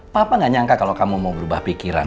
papa gak nyangka kalau kamu mau berubah pikiran